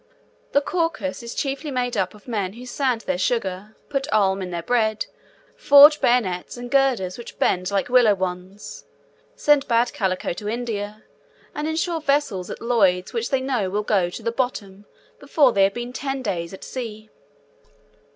The Caucus is chiefly made up of men who sand their sugar, put alum in their bread, forge bayonets and girders which bend like willow wands, send bad calico to India, and insure vessels at Lloyd's which they know will go to the bottom before they have been ten days at sea.